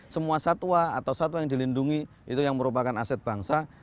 semua satwa atau satwa yang dilindungi itu yang merupakan aset bangsa